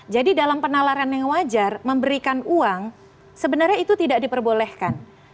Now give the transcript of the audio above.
jadi dalam penalaran yang wajar memberikan uang sebenarnya itu tidak diperbolehkan